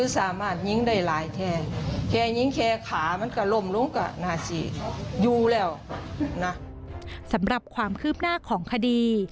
สำหรับความคืบหน้าของคดี